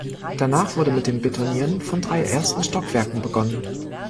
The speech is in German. Danach wurde mit dem Betonieren von drei ersten Stockwerken begonnen.